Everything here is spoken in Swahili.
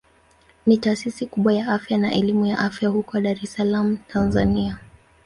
Ni taasisi kubwa ya afya na elimu ya afya huko Dar es Salaam Tanzania.